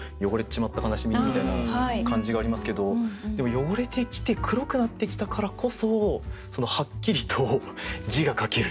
みたいな感じがありますけどでも汚れてきて黒くなってきたからこそはっきりと字が書ける。